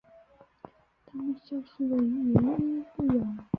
它们消失的原因不详。